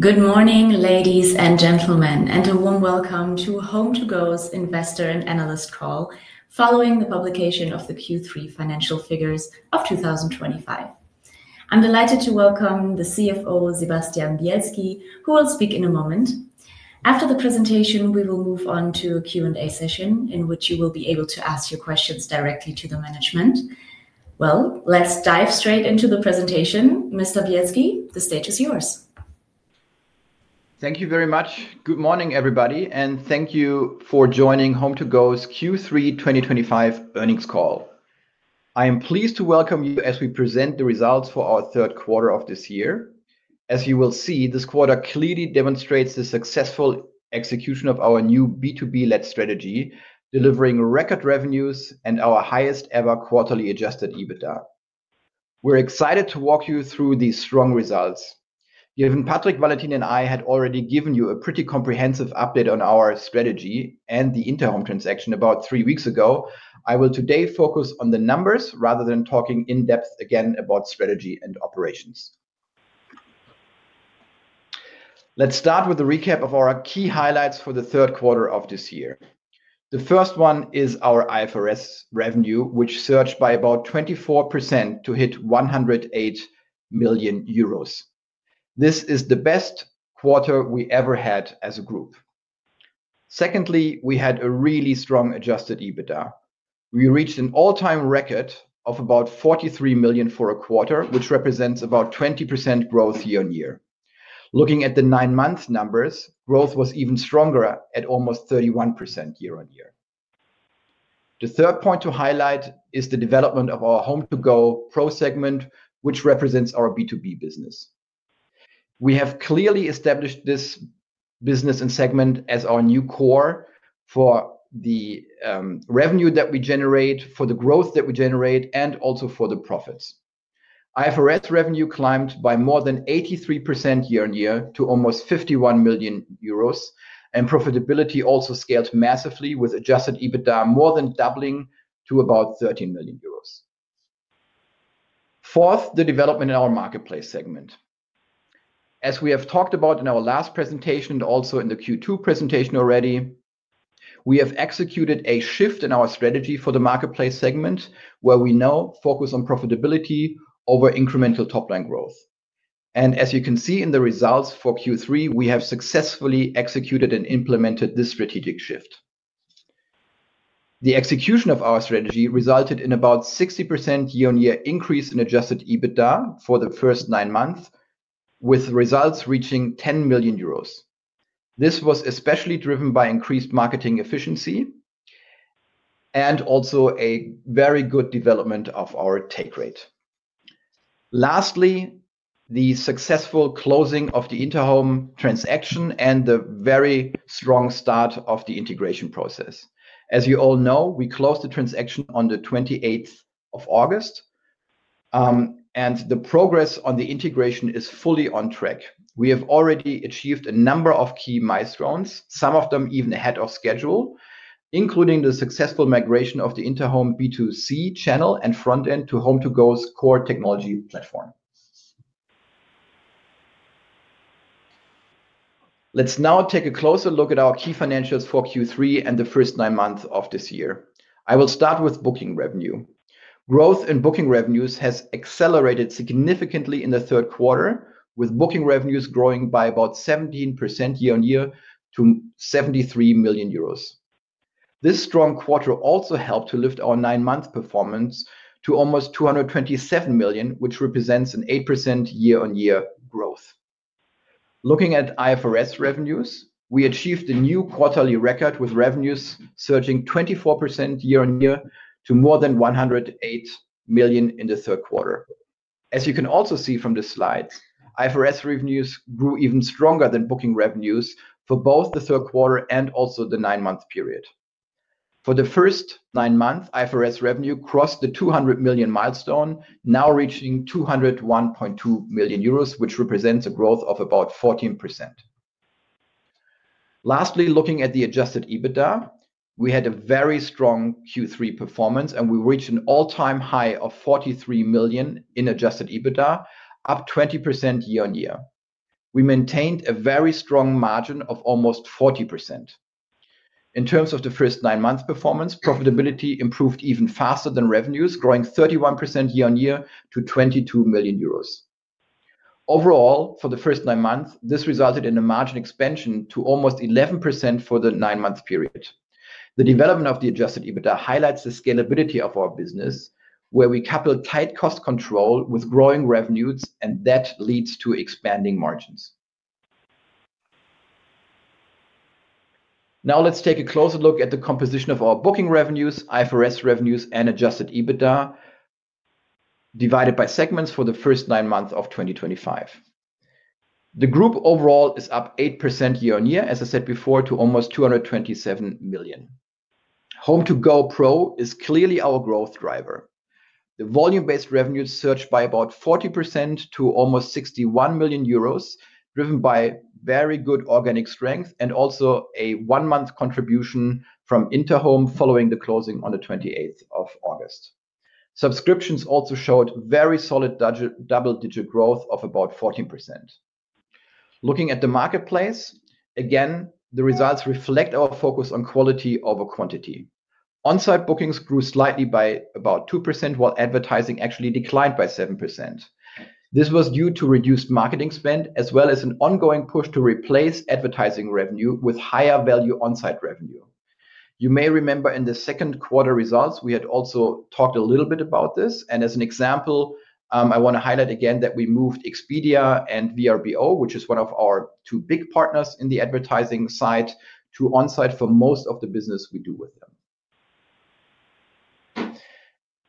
Good morning, ladies and gentlemen, and a warm welcome to HomeToGo's Investor and Analyst Call following the publication of the Q3 financial figures of 2025. I'm delighted to welcome the CFO, Sebastian Bielski, who will speak in a moment. After the presentation, we will move on to a Q&A session in which you will be able to ask your questions directly to the management. Let's dive straight into the presentation. Mr. Bielski, the stage is yours. Thank you very much. Good morning, everybody, and thank you for joining HomeToGo's Q3 2025 earnings call. I am pleased to welcome you as we present the results for our third quarter of this year. As you will see, this quarter clearly demonstrates the successful execution of our new B2B-Led Strategy, delivering record revenues and our highest-ever quarterly adjusted EBITDA. We're excited to walk you through these strong results. Given Patrick, Valentin, and I had already given you a pretty comprehensive update on our strategy and the Interhome transaction about three weeks ago, I will today focus on the numbers rather than talking in depth again about strategy and operations. Let's start with a recap of our key highlights for the third quarter of this year. The first one is our IFRS revenue, which surged by about 24% to hit 108 million euros. This is the best quarter we ever had as a group. Secondly, we had a really strong adjusted EBITDA. We reached an all-time record of about 43 million for a quarter, which represents about 20% growth year on year. Looking at the nine-month numbers, growth was even stronger at almost 31% year on year. The third point to highlight is the development of our HomeToGo Pro segment, which represents our B2B business. We have clearly established this business and segment as our new core for the revenue that we generate, for the growth that we generate, and also for the profits. IFRS revenue climbed by more than 83% year on year to almost 51 million euros, and profitability also scaled massively with adjusted EBITDA more than doubling to about 13 million euros. Fourth, the development in our marketplace segment. As we have talked about in our last presentation and also in the Q2 presentation already, we have executed a shift in our strategy for the Marketplace segment where we now focus on profitability over incremental top-line growth. As you can see in the results for Q3, we have successfully executed and implemented this strategic shift. The execution of our strategy resulted in about a 60% year-on-year increase in adjusted EBITDA for the first nine months, with results reaching 10 million euros. This was especially driven by increased marketing efficiency and also a very good development of our take rate. Lastly, the successful closing of the Interhome transaction and the very strong start of the integration process. As you all know, we closed the transaction on the 28th of August, and the progress on the integration is fully on track. We have already achieved a number of key milestones, some of them even ahead of schedule, including the successful migration of the Interhome B2C Channel and Front-End to HomeToGo's Core Technology Platform. Let's now take a closer look at our key financials for Q3 and the first nine months of this year. I will start with booking revenue. Growth in booking revenues has accelerated significantly in the third quarter, with booking revenues growing by about 17% year on year to 73 million euros. This strong quarter also helped to lift our nine-month performance to almost 227 million, which represents an 8% year-on-year growth. Looking at IFRS revenues, we achieved a new quarterly record with revenues surging 24% year on year to more than 108 million in the third quarter. As you can also see from the slides, IFRS revenues grew even stronger than booking revenues for both the third quarter and also the nine-month period. For the first nine months, IFRS revenue crossed the 200 million milestone, now reaching 201.2 million euros, which represents a growth of about 14%. Lastly, looking at the adjusted EBITDA, we had a very strong Q3 performance, and we reached an all-time high of 43 million in adjusted EBITDA, up 20% year on year. We maintained a very strong margin of almost 40%. In terms of the first nine months' performance, profitability improved even faster than revenues, growing 31% year on year to 22 million euros. Overall, for the first nine months, this resulted in a margin expansion to almost 11% for the nine-month period. The development of the adjusted EBITDA highlights the scalability of our business, where we couple tight cost control with growing revenues, and that leads to expanding margins. Now let's take a closer look at the composition of our booking revenues, IFRS revenues, and adjusted EBITDA divided by segments for the first nine months of 2025. The group overall is up 8% year on year, as I said before, to almost 227 million. HomeToGo Pro is clearly our growth driver. The volume-based revenues surged by about 40% to almost 61 million euros, driven by very good organic strength and also a one-month contribution from Interhome following the closing on the 28th of August. Subscriptions also showed very solid double-digit growth of about 14%. Looking at the marketplace, again, the results reflect our focus on quality over quantity. On-site bookings grew slightly by about 2%, while advertising actually declined by 7%. This was due to reduced marketing spend as well as an ongoing push to replace advertising revenue with higher-value on-site revenue. You may remember in the second quarter results, we had also talked a little bit about this. As an example, I want to highlight again that we moved Expedia and Vrbo, which is one of our two big partners in the advertising side, to on-site for most of the business we do with them.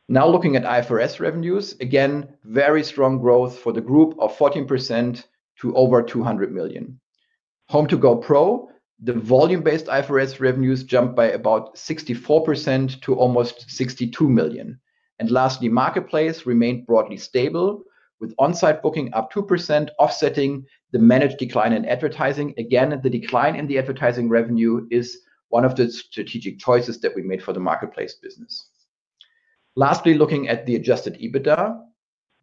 Now looking at IFRS revenues, again, very strong growth for the group of 14% to over 200 million. HomeToGo Pro, the volume-based IFRS revenues jumped by about 64% to almost 62 million. Lastly, marketplace remained broadly stable with on-site booking up 2%, offsetting the managed decline in advertising. Again, the decline in the advertising revenue is one of the strategic choices that we made for the marketplace business. Lastly, looking at the adjusted EBITDA,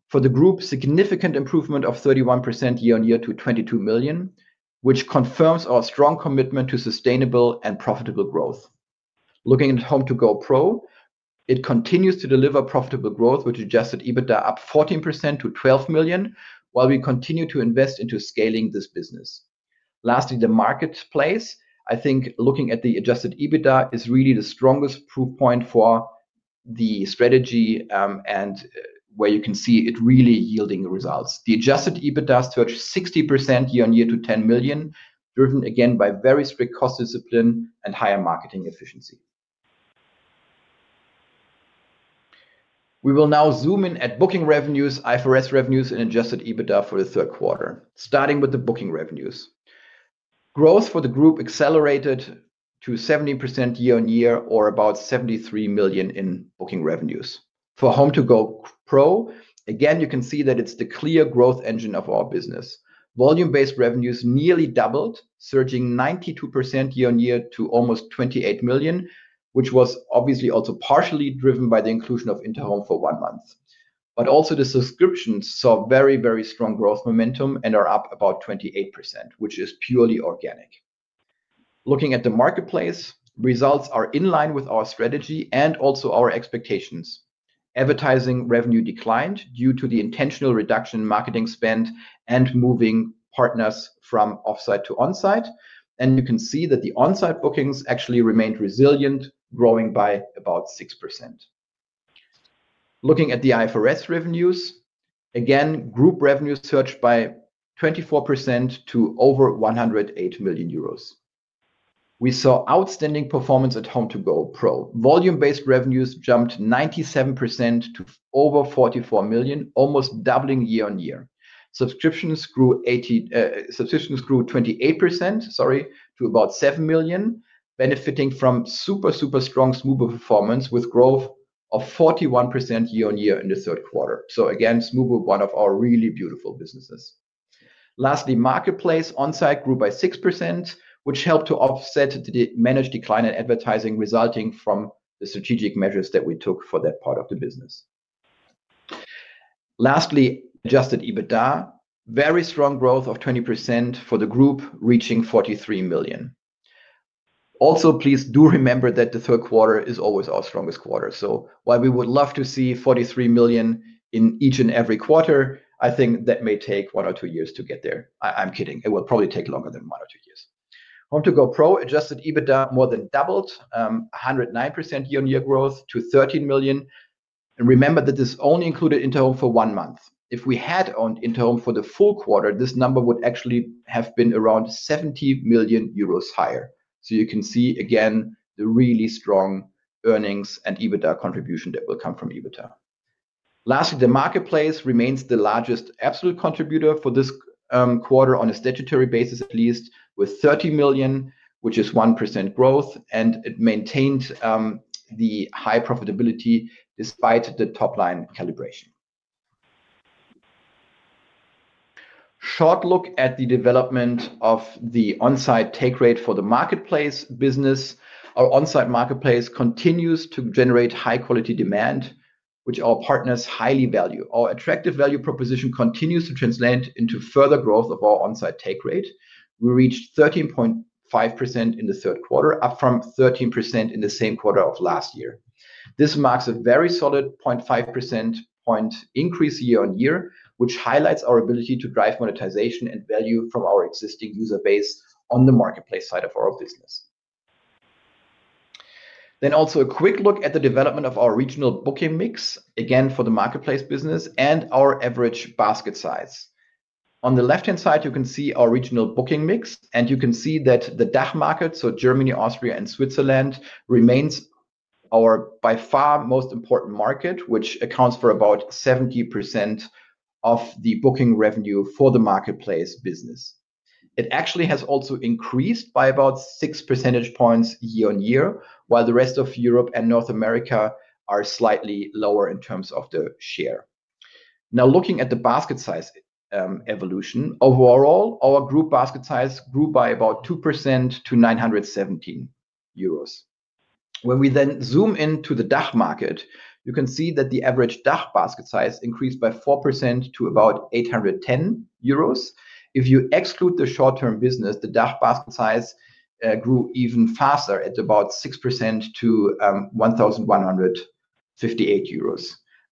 for the group, significant improvement of 31% year on year to 22 million, which confirms our strong commitment to sustainable and profitable growth. Looking at HomeToGo Pro, it continues to deliver profitable growth with adjusted EBITDA up 14% to 12 million, while we continue to invest into scaling this business. Lastly, the marketplace, I think looking at the adjusted EBITDA is really the strongest proof point for the strategy and where you can see it really yielding results. The adjusted EBITDA surged 60% year on year to 10 million, driven again by very strict cost discipline and higher marketing efficiency. We will now zoom in at booking revenues, IFRS revenues, and adjusted EBITDA for the third quarter, starting with the booking revenues. Growth for the group accelerated to 17% year on year, or about 73 million in booking revenues. For HomeToGo Pro, again, you can see that it's the clear growth engine of our business. Volume-based revenues nearly doubled, surging 92% year on year to almost 28 million, which was obviously also partially driven by the inclusion of Interhome for one month. Also, the subscriptions saw very, very strong growth momentum and are up about 28%, which is purely organic. Looking at the marketplace, results are in line with our strategy and also our expectations. Advertising revenue declined due to the intentional reduction in marketing spend and moving partners from off-site to on-site. You can see that the on-site bookings actually remained resilient, growing by about 6%. Looking at the IFRS revenues, again, group revenues surged by 24% to over 108 million euros. We saw outstanding performance at HomeToGo Pro. Volume-based revenues jumped 97% to over 44 million, almost doubling year on year. Subscriptions grew 28%, sorry, to about 7 million, benefiting from super, super strong Smoobu performance with growth of 41% year on year in the third quarter. Again, Smoobu, one of our really beautiful businesses. Lastly, Marketplace on-site grew by 6%, which helped to offset the managed decline in advertising resulting from the strategic measures that we took for that part of the business. Lastly, adjusted EBITDA, very strong growth of 20% for the group, reaching 43 million. Also, please do remember that the third quarter is always our strongest quarter. While we would love to see 43 million in each and every quarter, I think that may take one or two years to get there. I'm kidding. It will probably take longer than one or two years. HomeToGo Pro adjusted EBITDA more than doubled, 109% year-on-year growth to 13 million. Remember that this only included Interhome for one month. If we had owned Interhome for the full quarter, this number would actually have been around 70 million euros higher. You can see again the really strong earnings and EBITDA contribution that will come from EBITDA. Lastly, the marketplace remains the largest absolute contributor for this quarter on a statutory basis at least, with 30 million, which is 1% growth, and it maintained the high profitability despite the top-line calibration. Short look at the development of the on-site take rate for the marketplace business. Our on-site marketplace continues to generate high-quality demand, which our partners highly value. Our attractive value proposition continues to translate into further growth of our on-site take rate. We reached 13.5% in the third quarter, up from 13% in the same quarter of last year. This marks a very solid 0.5% point increase year on year, which highlights our ability to drive monetization and value from our existing user base on the marketplace side of our business. Also, a quick look at the development of our regional booking mix, again for the marketplace business and our average basket size. On the left-hand side, you can see our regional booking mix, and you can see that the DACH market, so Germany, Austria, and Switzerland, remains our by far most important market, which accounts for about 70% of the booking revenue for the marketplace business. It actually has also increased by about 6 percentage points year on year, while the rest of Europe and North America are slightly lower in terms of the share. Now looking at the basket size evolution, overall, our group basket size grew by about 2% to 917 euros. When we then zoom into the DACH market, you can see that the average DACH basket size increased by 4% to about 810 euros. If you exclude the short-term business, the DACH basket size grew even faster at about 6% to 1,158 euros.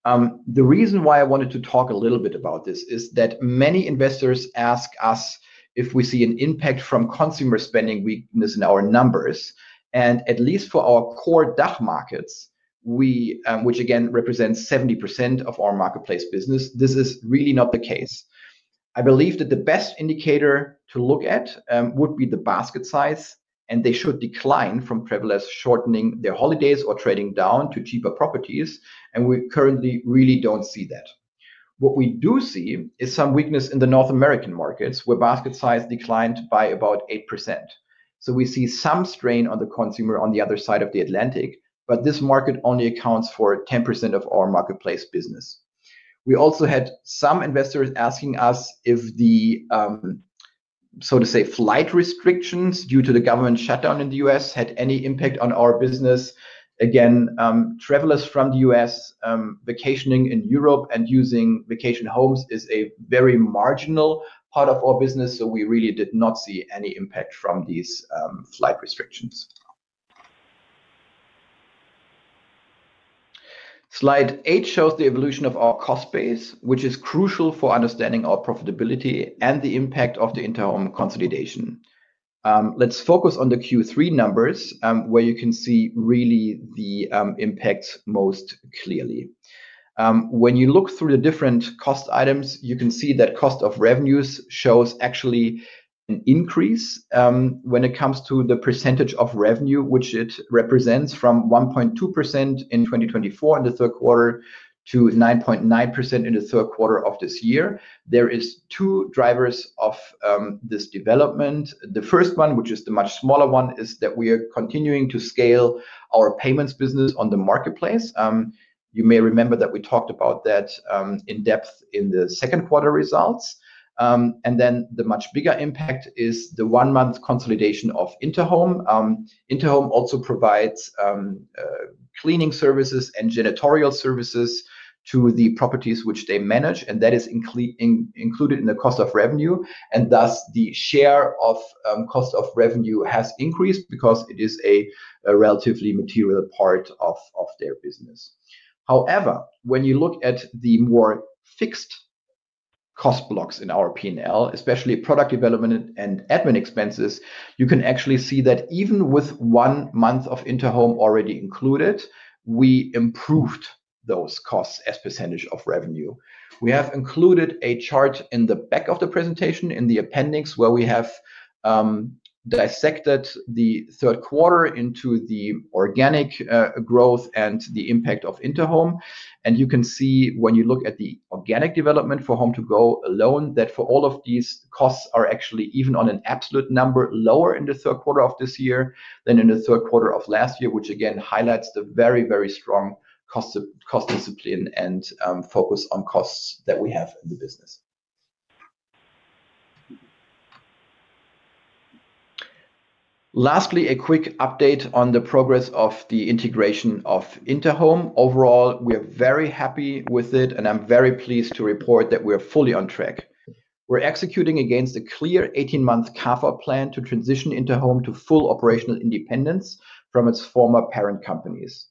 The reason why I wanted to talk a little bit about this is that many investors ask us if we see an impact from consumer spending weakness in our numbers. At least for our core DACH markets, which again represents 70% of our marketplace business, this is really not the case. I believe that the best indicator to look at would be the basket size, and they should decline from travelers shortening their holidays or trading down to cheaper properties, and we currently really do not see that. What we do see is some weakness in the North American markets, where basket size declined by about 8%. We see some strain on the consumer on the other side of the Atlantic, but this market only accounts for 10% of our Marketplace business. We also had some investors asking us if the, so to say, flight restrictions due to the government shutdown in the U.S. had any impact on our business. Again, travelers from the U.S. vacationing in Europe and using vacation homes is a very marginal part of our business, so we really did not see any impact from these flight restrictions. Slide 8 shows the evolution of our cost base, which is crucial for understanding our profitability and the impact of the Interhome consolidation. Let's focus on the Q3 numbers, where you can see really the impact most clearly. When you look through the different cost items, you can see that cost of revenues shows actually an increase when it comes to the percentage of revenue, which it represents from 1.2% in 2024 in the third quarter to 9.9% in the third quarter of this year. There are two drivers of this development. The first one, which is the much smaller one, is that we are continuing to scale our payments business on the Marketplace. You may remember that we talked about that in depth in the second quarter results. The much bigger impact is the one-month consolidation of Interhome. Interhome also provides cleaning services and janitorial services to the properties which they manage, and that is included in the cost of revenue. Thus, the share of cost of revenue has increased because it is a relatively material part of their business. However, when you look at the more fixed cost blocks in our P&L, especially product development and admin expenses, you can actually see that even with one month of Interhome already included, we improved those costs as a percentage of revenue. We have included a chart in the back of the presentation in the appendix where we have dissected the third quarter into the organic growth and the impact of Interhome. You can see when you look at the organic development for HomeToGo alone that all of these costs are actually even on an absolute number lower in the third quarter of this year than in the third quarter of last year, which again highlights the very, very strong cost discipline and focus on costs that we have in the business. Lastly, a quick update on the progress of the integration of Interhome. Overall, we are very happy with it, and I'm very pleased to report that we are fully on track. We're executing against a clear 18-month CAFA plan to transition Interhome to full operational independence from its former parent companies.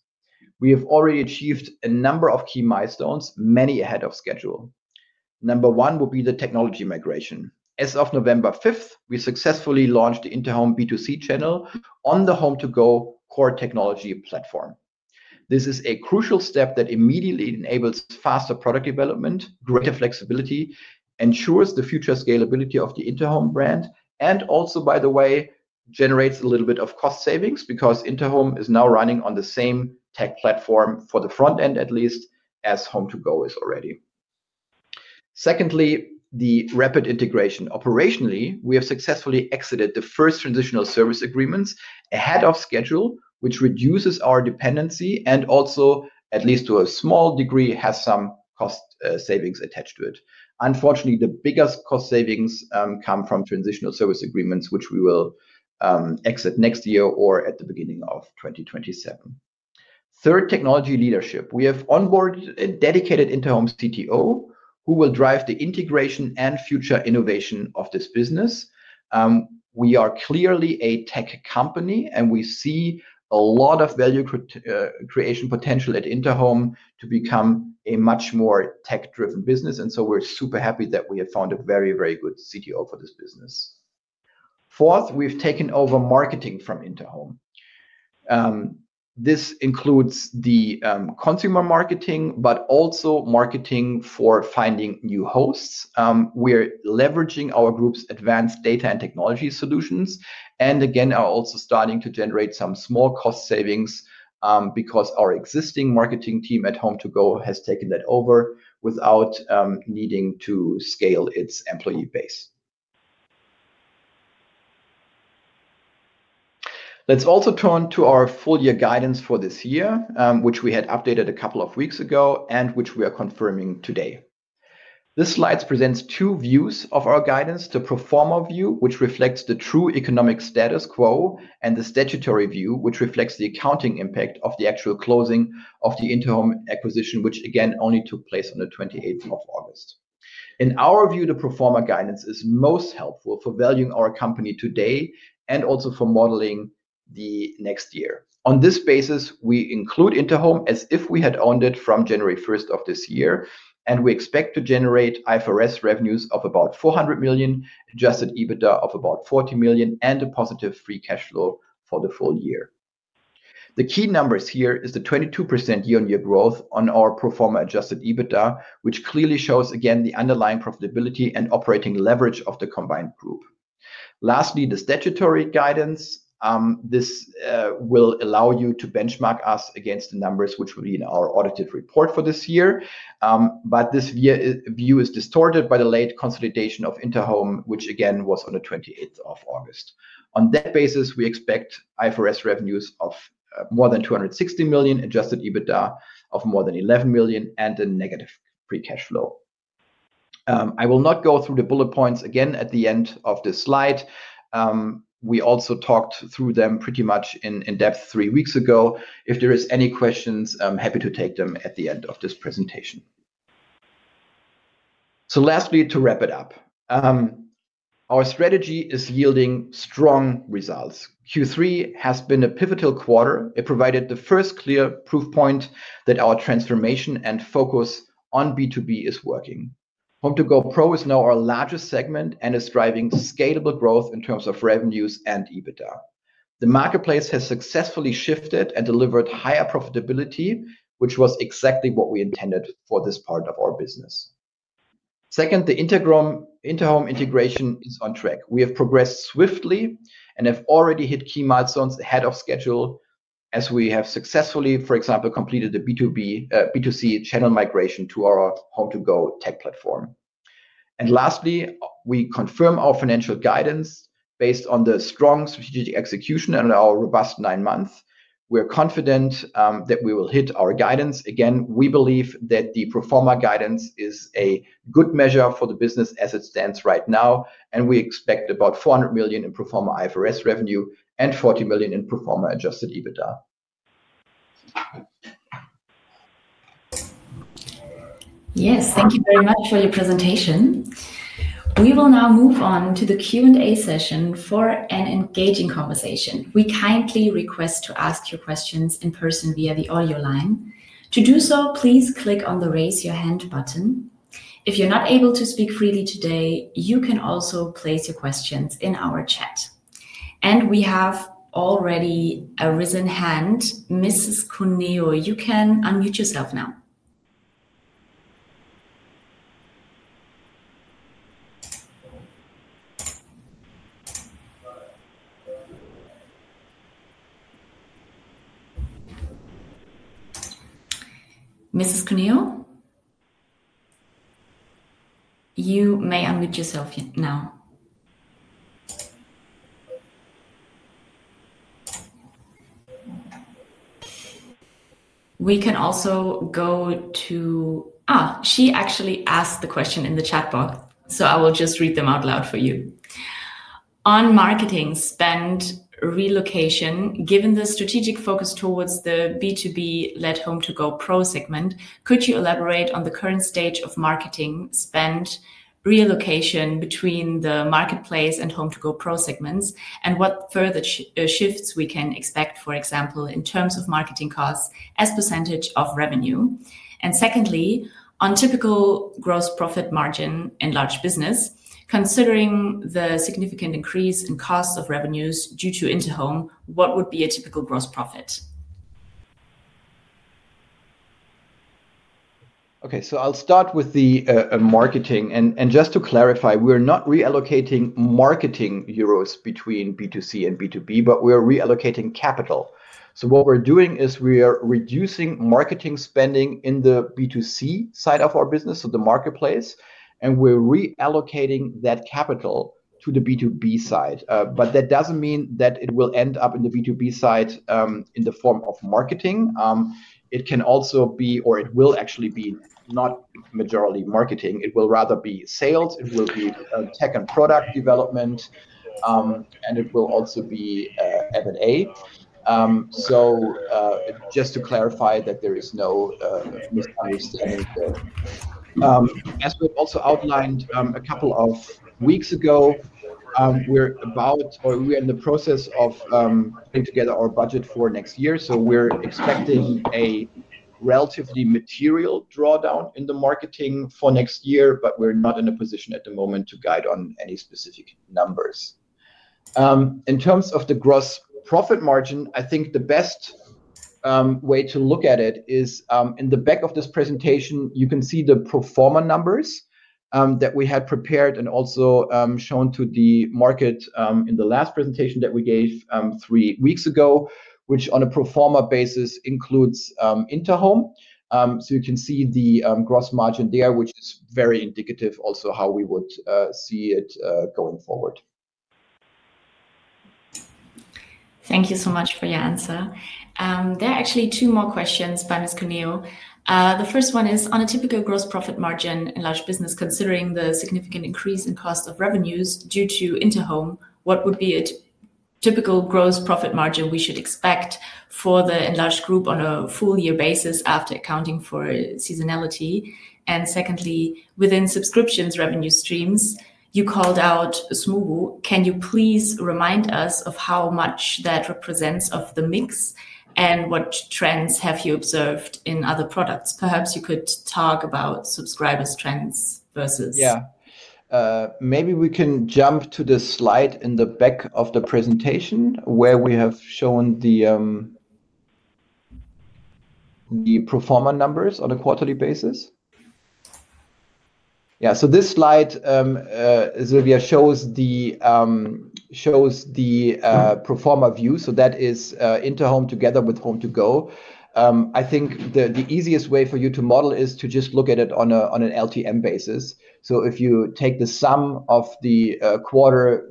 We have already achieved a number of key milestones, many ahead of schedule. Number one will be the technology migration. As of November 5th, we successfully launched the Interhome B2C Channel on the HomeToGo Core Technology Platform. This is a crucial step that immediately enables faster product development, greater flexibility, ensures the future scalability of the Interhome brand, and also, by the way, generates a little bit of cost savings because Interhome is now running on the same tech platform for the front end, at least, as HomeToGo is already. Secondly, the rapid integration. Operationally, we have successfully exited the first transitional service agreements ahead of schedule, which reduces our dependency and also, at least to a small degree, has some cost savings attached to it. Unfortunately, the biggest cost savings come from transitional service agreements, which we will exit next year or at the beginning of 2027. Third, technology leadership. We have onboarded a dedicated Interhome CTO who will drive the integration and future innovation of this business. We are clearly a tech company, and we see a lot of value creation potential at Interhome to become a much more tech-driven business. We are super happy that we have found a very, very good CTO for this business. Fourth, we have taken over marketing from Interhome. This includes the consumer marketing, but also marketing for finding new hosts. We are leveraging our group's advanced data and technology solutions. We are also starting to generate some small cost savings because our existing marketing team at HomeToGo has taken that over without needing to scale its employee base. Let's also turn to our full-year guidance for this year, which we had updated a couple of weeks ago and which we are confirming today. This slide presents two views of our guidance: the pro forma view, which reflects the true economic status quo, and the statutory view, which reflects the accounting impact of the actual closing of the Interhome acquisition, which only took place on the 28th of August. In our view, the pro forma guidance is most helpful for valuing our company today and also for modeling the next year. On this basis, we include Interhome as if we had owned it from January 1st of this year, and we expect to generate IFRS revenues of about 400 million, adjusted EBITDA of about 40 million, and a positive free cash flow for the full year. The key numbers here are the 22% year-on-year growth on our pro forma adjusted EBITDA, which clearly shows again the underlying profitability and operating leverage of the combined group. Lastly, the statutory guidance. This will allow you to benchmark us against the numbers which will be in our audited report for this year. This view is distorted by the late consolidation of Interhome, which again was on 28th of August. On that basis, we expect IFRS revenues of more than 260 million, adjusted EBITDA of more than 11 million, and a negative free cash flow. I will not go through the bullet points again at the end of this slide. We also talked through them pretty much in depth three weeks ago. If there are any questions, I'm happy to take them at the end of this presentation. Lastly, to wrap it up, our strategy is yielding strong results. Q3 has been a pivotal quarter. It provided the first clear proof point that our transformation and focus on B2B is working. HomeToGo Pro is now our largest segment and is driving scalable growth in terms of revenues and EBITDA. The marketplace has successfully shifted and delivered higher profitability, which was exactly what we intended for this part of our business. Second, the Interhome integration is on track. We have progressed swiftly and have already hit key milestones ahead of schedule as we have successfully, for example, completed the B2C channel migration to our HomeToGo tech platform. Lastly, we confirm our financial guidance based on the strong strategic execution and our robust nine months. We are confident that we will hit our guidance. Again, we believe that the performer guidance is a good measure for the business as it stands right now, and we expect about 400 million in performer IFRS revenue and 40 million in performer adjusted EBITDA. Yes, thank you very much for your presentation. We will now move on to the Q&A session for an engaging conversation. We kindly request to ask your questions in person via the audio line. To do so, please click on the raise your hand button. If you're not able to speak freely today, you can also place your questions in our chat. We have already a raising hand. Mrs. Corneo, you can unmute yourself now. Mrs. Corneo, you may unmute yourself now. We can also go to, she actually asked the question in the chat box, so I will just read them out loud for you. On marketing spend relocation, given the strategic focus towards the B2B-Led HomeToGo Pro segment, could you elaborate on the current stage of marketing spend relocation between the Marketplace and HomeToGo Pro segments and what further shifts we can expect, for example, in terms of marketing costs as % of revenue? Secondly, on typical gross profit margin in large business, considering the significant increase in costs of revenues due to Interhome, what would be a typical gross profit? Okay, I will start with the marketing. Just to clarify, we are not reallocating marketing euros between B2C and B2B, but we are reallocating capital. What we are doing is we are reducing marketing spending in the B2C side of our business, so the marketplace, and we are reallocating that capital to the B2B side. That does not mean that it will end up in the B2B side in the form of marketing. It can also be, or it will actually be not majority marketing. It will rather be sales. It will be tech and product development, and it will also be M&A. Just to clarify that there is no misunderstanding there. As we also outlined a couple of weeks ago, we are about, or we are in the process of putting together our budget for next year. We're expecting a relatively material drawdown in the marketing for next year, but we're not in a position at the moment to guide on any specific numbers. In terms of the gross profit margin, I think the best way to look at it is in the back of this presentation, you can see the pro forma numbers that we had prepared and also shown to the market in the last presentation that we gave three weeks ago, which on a pro forma basis includes Interhome. You can see the gross margin there, which is very indicative also how we would see it going forward. Thank you so much for your answer. There are actually two more questions by Ms. Corneo. The first one is, on a typical gross profit margin in large business, considering the significant increase in cost of revenues due to Interhome, what would be a typical gross profit margin we should expect for the enlarged group on a full-year basis after accounting for seasonality? Secondly, within subscriptions revenue streams, you called out Smoobu. Can you please remind us of how much that represents of the mix and what trends have you observed in other products? Perhaps you could talk about subscribers' trends versus. Yeah, maybe we can jump to the slide in the back of the presentation where we have shown the pro forma numbers on a quarterly basis. Yeah, so this slide, Sylvia, shows the pro forma view. That is Interhome together with HomeToGo. I think the easiest way for you to model is to just look at it on an LTM basis. If you take the sum of the quarter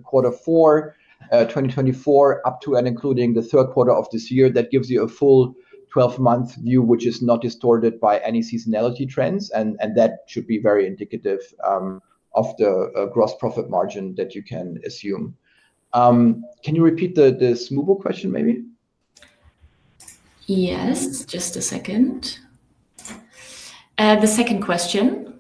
four 2024 up to and including the third quarter of this year, that gives you a full 12-month view, which is not distorted by any seasonality trends. That should be very indicative of the gross profit margin that you can assume. Can you repeat the Smoobu question maybe? Yes, just a second. The second question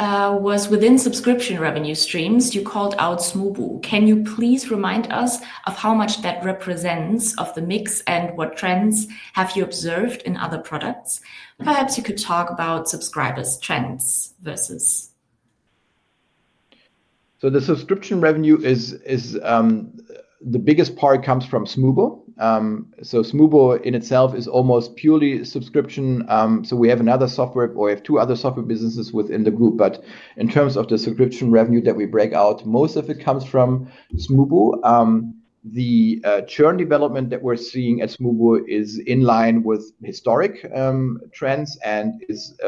was, within subscription revenue streams, you called out Smoobu. Can you please remind us of how much that represents of the mix and what trends have you observed in other products? Perhaps you could talk about subscribers' trends versus. The subscription revenue is the biggest part comes from Smoobu. Smoobu in itself is almost purely subscription. We have another software, or we have two other software businesses within the group. In terms of the subscription revenue that we break out, most of it comes from Smoobu. The churn development that we're seeing at Smoobu is in line with historic trends and is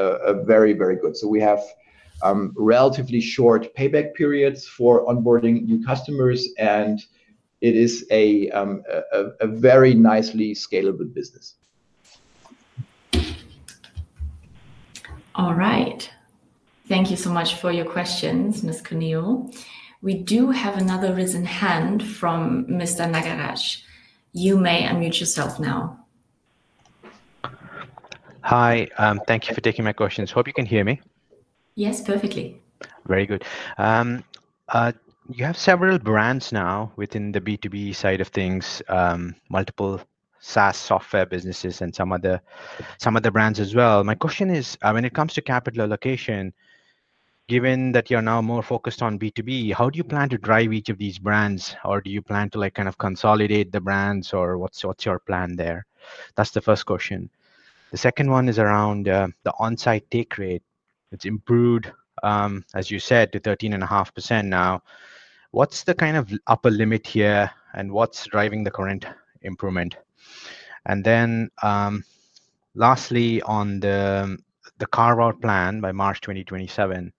very, very good. We have relatively short payback periods for onboarding new customers, and it is a very nicely scalable business. All right. Thank you so much for your questions, Ms. Corneo. We do have another raising hand from Mr. Nagaraj. You may unmute yourself now. Hi, thank you for taking my questions. Hope you can hear me? Yes, perfectly. Very good. You have several brands now within the B2B side of things, multiple SaaS software businesses and some other brands as well. My question is, when it comes to capital allocation, given that you're now more focused on B2B, how do you plan to drive each of these brands? Or do you plan to kind of consolidate the brands? Or what's your plan there? That's the first question. The second one is around the onsite take rate. It's improved, as you said, to 13.5% now. What's the kind of upper limit here and what's driving the current improvement? And then lastly, on the carve-out plan by March 2027,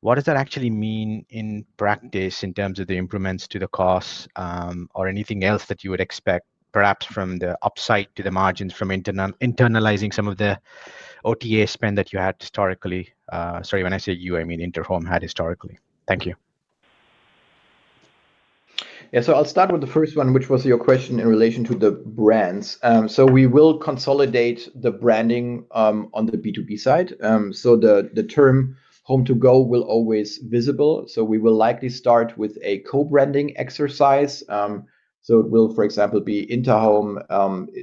what does that actually mean in practice in terms of the improvements to the cost or anything else that you would expect, perhaps from the upside to the margins from internalizing some of the OTA spend that you had historically? Sorry, when I say you, I mean Interhome had historically. Thank you. Yeah, I'll start with the first one, which was your question in relation to the brands. We will consolidate the branding on the B2B side. The term HomeToGo will always be visible. We will likely start with a co-branding exercise. It will, for example, be Interhome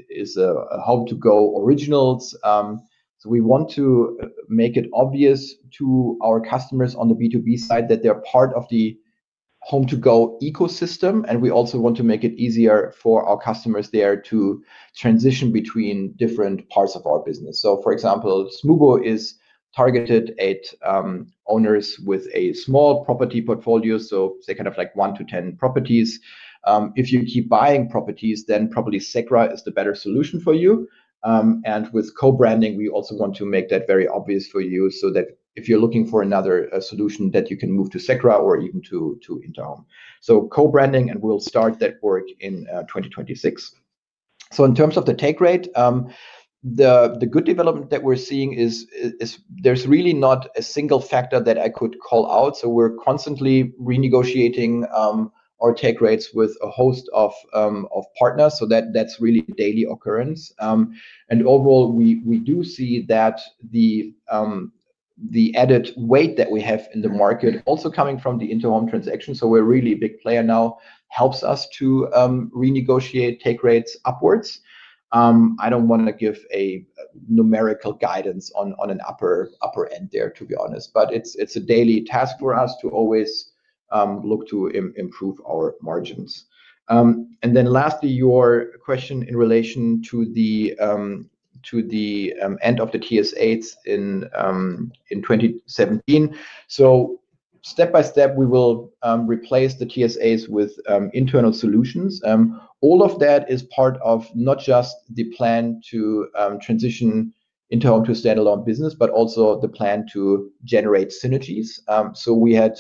is a HomeToGo originals. We want to make it obvious to our customers on the B2B side that they are part of the HomeToGo ecosystem. We also want to make it easier for our customers there to transition between different parts of our business. For example, Smoobu is targeted at owners with a small property portfolio, so say kind of like one to 10 properties. If you keep buying properties, then probably SECRA is the better solution for you. With co-branding, we also want to make that very obvious for you so that if you are looking for another solution, you can move to SECRA or even to Interhome. Co-branding, and we will start that work in 2026. In terms of the take rate, the good development that we're seeing is there's really not a single factor that I could call out. We're constantly renegotiating our take rates with a host of partners. That's really a daily occurrence. Overall, we do see that the added weight that we have in the market also coming from the Interhome transaction, so we're really a big player now, helps us to renegotiate take rates upwards. I don't want to give a numerical guidance on an upper end there, to be honest. It's a daily task for us to always look to improve our margins. Lastly, your question in relation to the end of the TSAs in 2017. Step by step, we will replace the TSAs with internal solutions. All of that is part of not just the plan to transition Interhome to standalone business, but also the plan to generate synergies. We had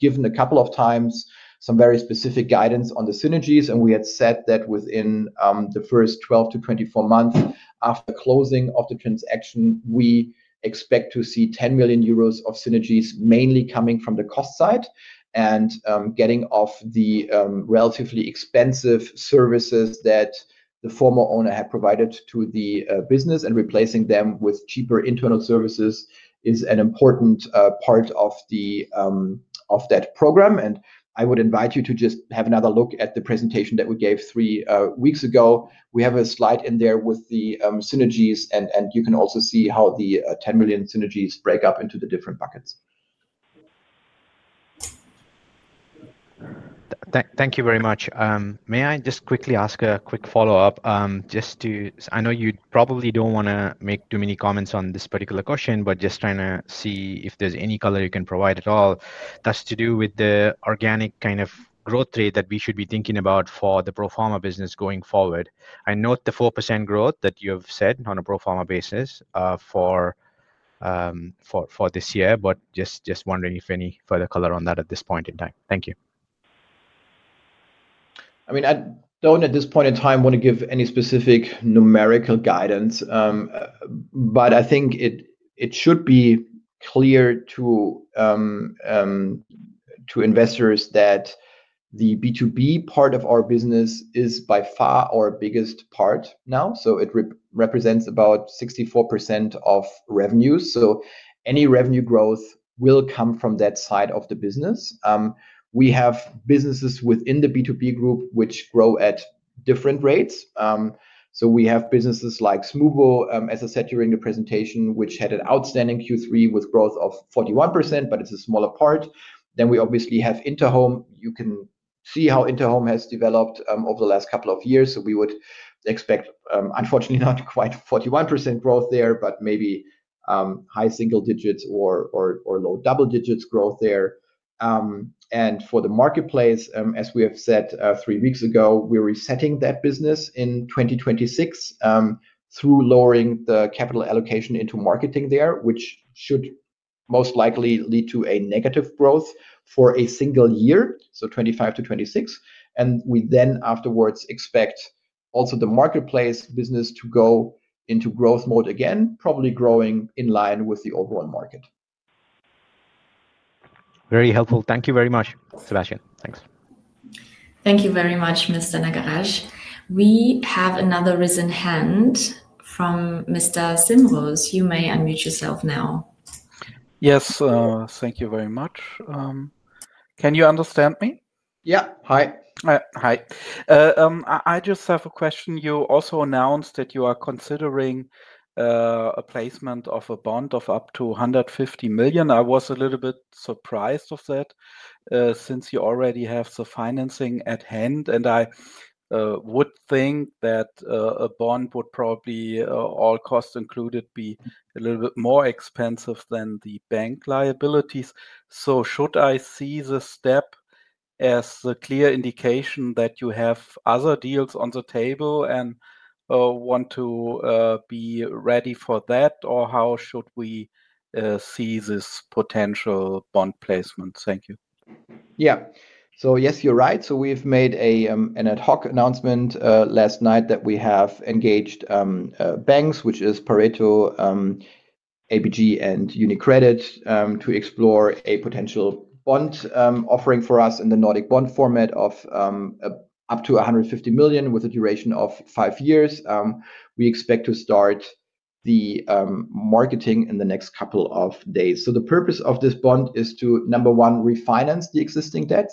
given a couple of times some very specific guidance on the synergies, and we had said that within the first 12-24 months after closing of the transaction, we expect to see 10 million euros of synergies mainly coming from the cost side and getting off the relatively expensive services that the former owner had provided to the business and replacing them with cheaper internal services is an important part of that program. I would invite you to just have another look at the presentation that we gave three weeks ago. We have a slide in there with the synergies, and you can also see how the 10 million synergies break up into the different buckets. Thank you very much. May I just quickly ask a quick follow-up? Just to, I know you probably do not want to make too many comments on this particular question, but just trying to see if there is any color you can provide at all. That is to do with the organic kind of growth rate that we should be thinking about for the proforma business going forward. I note the 4% growth that you have said on a proforma basis for this year, but just wondering if any further color on that at this point in time. Thank you. I mean, I do not at this point in time want to give any specific numerical guidance, but I think it should be clear to investors that the B2B part of our business is by far our biggest part now. So it represents about 64% of revenues. Any revenue growth will come from that side of the business. We have businesses within the B2B group which grow at different rates. We have businesses like Smoobu, as I said during the presentation, which had an outstanding Q3 with growth of 41%, but it is a smaller part. We obviously have Interhome. You can see how Interhome has developed over the last couple of years. We would expect, unfortunately, not quite 41% growth there, but maybe high single digits or low double digits growth there. For the marketplace, as we have said three weeks ago, we are resetting that business in 2026 through lowering the capital allocation into marketing there, which should most likely lead to a negative growth for a single year, so 2025 to 2026. We then afterwards expect also the Marketplace business to go into growth mode again, probably growing in line with the overall market. Very helpful. Thank you very much, Sebastian. Thanks. Thank you very much, Mr. Nagaraj. We have another raising hand from Mr. Symbols. You may unmute yourself now. Yes, thank you very much. Can you understand me? Yeah. Hi. Hi. I just have a question. You also announced that you are considering a placement of a bond of up to 150 million. I was a little bit surprised of that since you already have the financing at hand. I would think that a bond would probably all cost included be a little bit more expensive than the bank liabilities. Should I see the step as a clear indication that you have other deals on the table and want to be ready for that, or how should we see this potential bond placement? Thank you. Yeah. Yes, you're right. We've made an ad hoc announcement last night that we have engaged banks, which is Pareto, ABG, and UniCredit, to explore a potential bond offering for us in the Nordic bond format of up to 150 million with a duration of five years. We expect to start the marketing in the next couple of days. The purpose of this bond is to, number one, refinance the existing debt.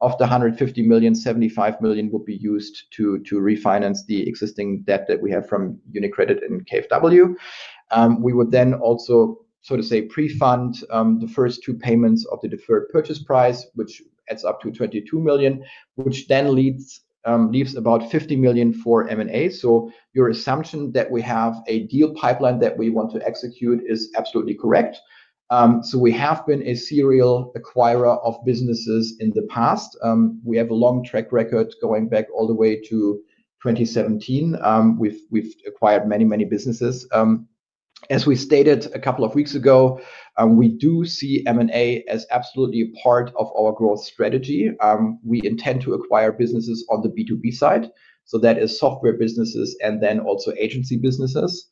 Of the 150 million, 75 million would be used to refinance the existing debt that we have from UniCredit and KfW. We would then also sort of say prefund the first two payments of the deferred purchase price, which adds up to 22 million, which then leaves about 50 million for M&A. Your assumption that we have a deal pipeline that we want to execute is absolutely correct. We have been a serial acquirer of businesses in the past. We have a long track record going back all the way to 2017. We have acquired many, many businesses. As we stated a couple of weeks ago, we do see M&A as absolutely part of our growth strategy. We intend to acquire businesses on the B2B side. That is software businesses and then also agency businesses.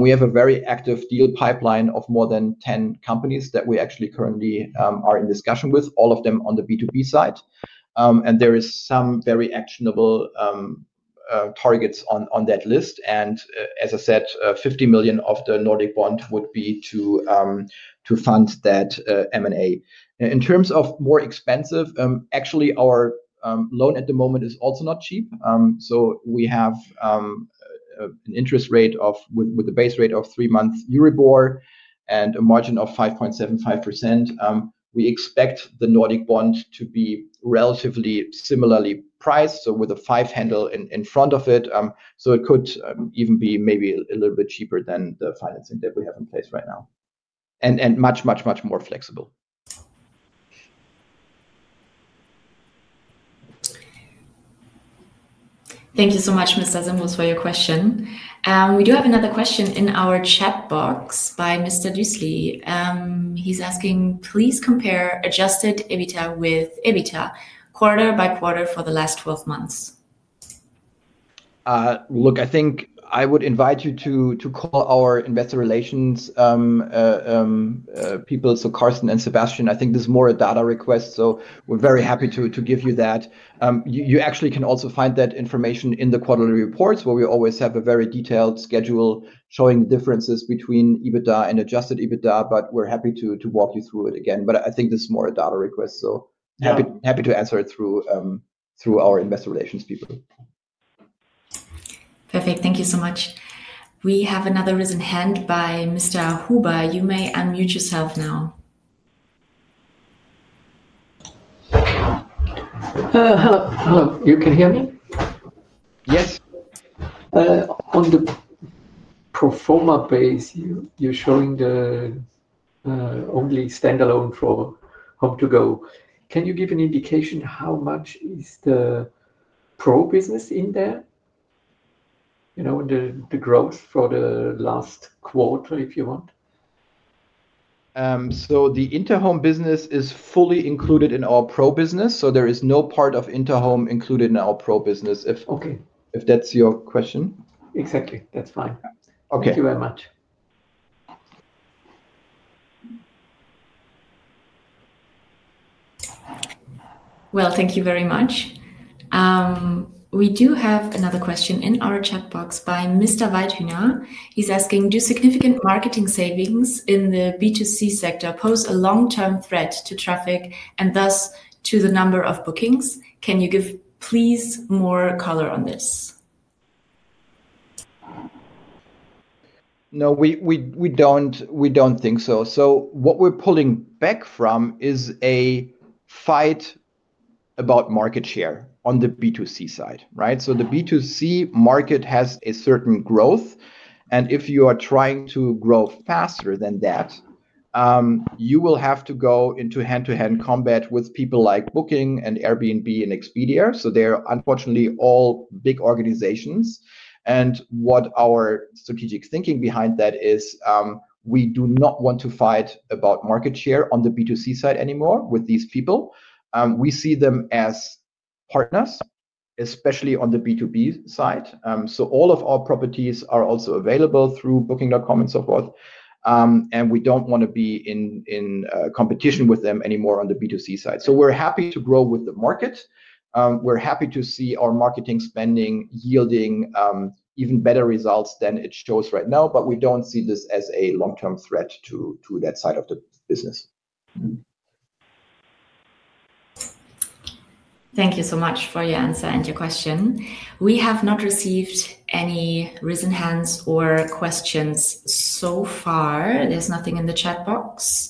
We have a very active deal pipeline of more than 10 companies that we actually currently are in discussion with, all of them on the B2B side. There are some very actionable targets on that list. As I said, 50 million of the Nordic bond would be to fund that M&A. In terms of more expensive, actually, our loan at the moment is also not cheap. We have an interest rate with the base rate of three months Euribor and a margin of 5.75%. We expect the Nordic bond to be relatively similarly priced, so with a five handle in front of it. It could even be maybe a little bit cheaper than the financing that we have in place right now and much, much, much more flexible. Thank you so much, Mr. Symbols, for your question. We do have another question in our chat box by Mr. Dussel. He is asking, please compare adjusted EBITDA with EBITDA quarter by quarter for the last 12 months? Look, I think I would invite you to call our investor relations people, so Carsten and Sebastian. I think this is more a data request. We are very happy to give you that. You actually can also find that information in the quarterly reports where we always have a very detailed schedule showing the differences between EBITDA and adjusted EBITDA, but we are happy to walk you through it again. I think this is more a data request, so happy to answer it through our investor relations people. Perfect. Thank you so much. We have another raising hand by Mr. Huber. You may unmute yourself now. Hello. Hello. You can hear me? Yes. On the proforma base, you are showing only standalone for HomeToGo. Can you give an indication how much is the pro business in there, the growth for the last quarter, if you want? The Interhome business is fully included in our pro business. There is no part of Interhome included in our pro business, if that's your question. Exactly. That's fine. Thank you very much. Thank you very much. We do have another question in our chat box by Mr. Weidhuner. He's asking, do significant marketing savings in the B2C sector pose a long-term threat to traffic and thus to the number of bookings? Can you give, please, more color on this? No, we don't think so. What we're pulling back from is a fight about market share on the B2C side, right? The B2C market has a certain growth. If you are trying to grow faster than that, you will have to go into hand-to-hand combat with people like Booking.com and Airbnb and Expedia. They're unfortunately all big organizations. What our strategic thinking behind that is we do not want to fight about market share on the B2C side anymore with these people. We see them as partners, especially on the B2B side. All of our properties are also available through Booking.com and so forth. We do not want to be in competition with them anymore on the B2C side. We are happy to grow with the market. We are happy to see our marketing spending yielding even better results than it shows right now, but we do not see this as a long-term threat to that side of the business. Thank you so much for your answer and your question. We have not received any raising hands or questions so far. There is nothing in the chat box.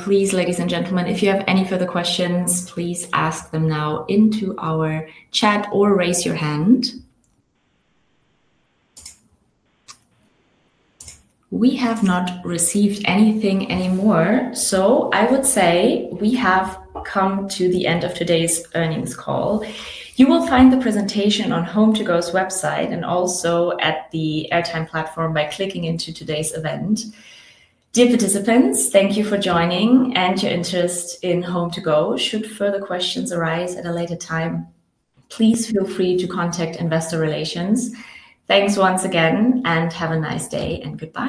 Please, ladies and gentlemen, if you have any further questions, please ask them now into our chat or raise your hand. We have not received anything anymore. I would say we have come to the end of today's earnings call. You will find the presentation on HomeToGo's website and also at the airtime platform by clicking into today's event. Dear participants, thank you for joining and your interest in HomeToGo. Should further questions arise at a later time, please feel free to contact investor relations. Thanks once again and have a nice day and goodbye.